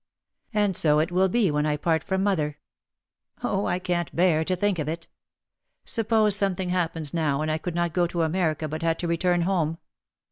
And so it will be when I part from mother. Oh, I can't bear to think of it ! Sup pose something happens now and I could not go to America but had to return home.